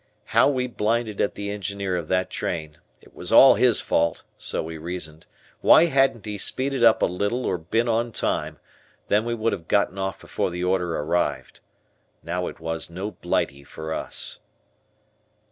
How we blinded at the engineer of that train, it was all his fault (so we reasoned), why hadn't he speeded up a little or been on time, then we would have gotten off before the order arrived? Now it was no Blighty for us.